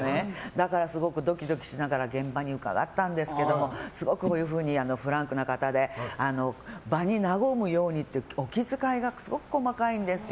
だから、すごくドキドキしながら現場に伺ったんですけどすごくフランクな方で場に和むようにっていうお気遣いが、すごく細かいんです。